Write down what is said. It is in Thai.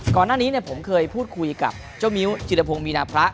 ก่อนหน้านี้ผมเคยพูดคุยกับเจ้ามิ้วจิรพงศ์มีนาพระ